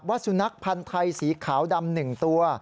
วัสดิ์นักพันธุ์ไทยสีขาวดำหนึ่งตัว